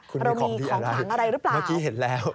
คุณมีของดีอะไรรึเปล่า